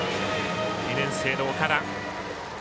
２年生の岡田。